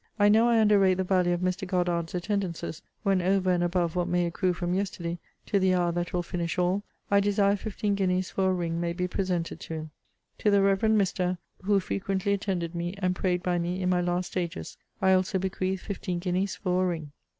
I know I under rate the value of Mr. Goddard's attendances, when over and above what may accrue from yesterday, to the hour that will finish all, I desire fifteen guineas for a ring may be presented to him. To the Reverend Mr. , who frequently attended me, and prayed by me in my last stages, I also bequeath fifteen guineas for a ring.